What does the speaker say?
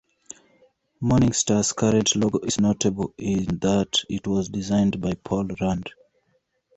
Morningstar's current logo is notable in that it was designed by Paul Rand.